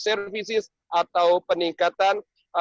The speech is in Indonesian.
services atau peningkatan